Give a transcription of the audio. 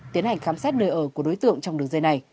tiến hành khám xét nơi ở của đối tượng trong đường dây này